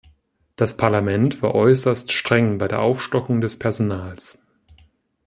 Das Parlament war äußerst streng bei der Aufstockung des Personals.